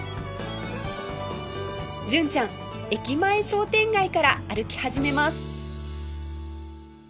純ちゃん駅前商店街から歩き始めます